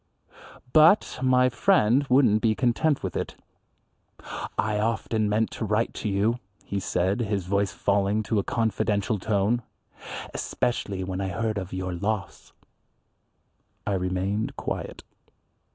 But my friend wouldn't be content with it. "I often meant to write to you," he said, his voice falling to a confidential tone, "especially when I heard of your loss." I remained quiet.